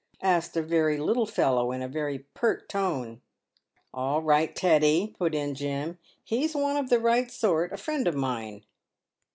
asked a very little fellow in a very pert tone. "All right, Teddy," put in Jim, "he's one of the right sort — a friend of mine."